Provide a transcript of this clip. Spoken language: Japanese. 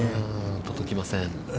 届きません。